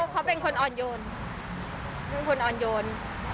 เขาเป็นคนอ่อนโยนเป็นคนอ่อนโยน